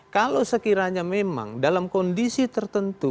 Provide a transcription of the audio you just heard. kalau sekiranya memang dalam kondisi tertentu